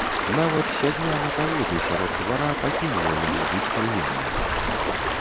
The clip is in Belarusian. Нават сядня на калодзе сярод двара пакінула яму быць прыемнай.